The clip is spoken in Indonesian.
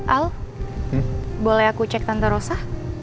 al boleh aku cek tante rosa